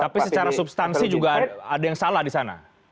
tapi secara substansi juga ada yang salah di sana